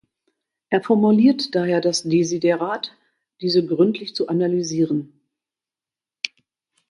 Er formuliert daher das Desiderat, diese gründlich zu analysieren.